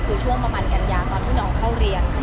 คือช่วงประมาณกันยาตอนที่น้องเข้าเรียน